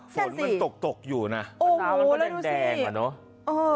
แน่นสิฝนมันตกตกอยู่น่ะโอ้โหแล้วดูสิมันก็แดงแดงอ่ะเนอะเออ